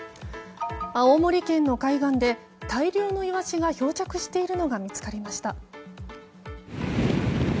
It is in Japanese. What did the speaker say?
青森県の海岸で大量のイワシが漂着しているのが見つかりました。